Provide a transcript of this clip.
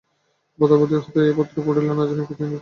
প্রতাপাদিত্যের হাতে এ পত্র পড়িলে না জানি তিনি কী করিয়া বসেন।